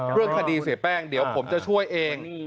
เรื่องคดีเสียแป้งเดี๋ยวผมจะช่วยเอง